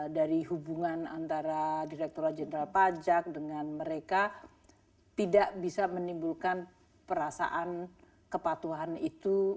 dari hubungan antara direktur jenderal pajak dengan mereka tidak bisa menimbulkan perasaan kepatuhan itu